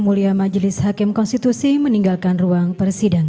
sidang selesai dan ditutup